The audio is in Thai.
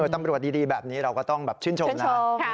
ตำรวจดีแบบนี้เราก็ต้องแบบชื่นชมนะ